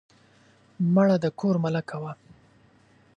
مړه د کور ملکه وه